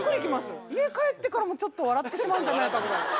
家帰ってからもちょっと笑ってしまうんじゃないかと。